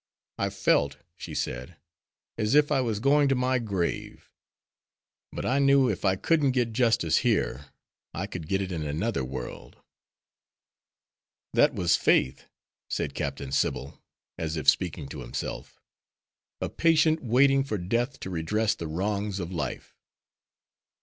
'I felt,' she said, 'as if I was going to my grave. But I knew if I couldn't get justice here, I could get it in another world.'" "That was faith," said Captain Sybil, as if speaking to himself, "a patient waiting for death to redress the wrongs of life."